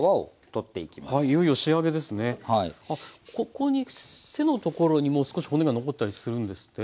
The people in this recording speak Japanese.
ここに背のところにも少し骨が残ったりするんですって？